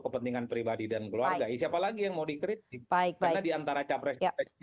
kepentingan pribadi dan keluarga siapa lagi yang mau dikritik baik karena diantara capres capres